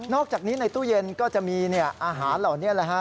อกจากนี้ในตู้เย็นก็จะมีอาหารเหล่านี้แหละฮะ